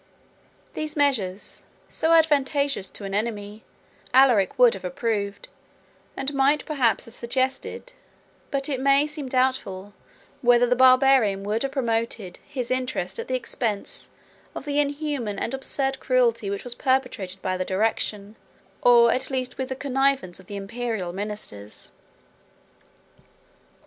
3 These measures, so advantageous to an enemy, Alaric would have approved, and might perhaps have suggested; but it may seem doubtful, whether the Barbarian would have promoted his interest at the expense of the inhuman and absurd cruelty which was perpetrated by the direction, or at least with the connivance of the Imperial ministers.